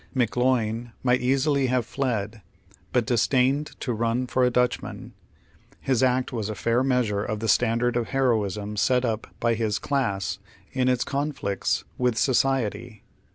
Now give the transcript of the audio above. McGloin might easily have fled, but disdained to "run for a Dutchman." His act was a fair measure of the standard of heroism set up by his class in its conflicts with society.